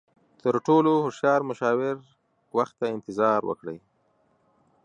تر ټولو هوښیار مشاور، وخت ته انتظار وکړئ.